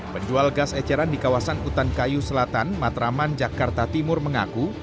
penjual gas eceran di kawasan hutan kayu selatan matraman jakarta timur mengaku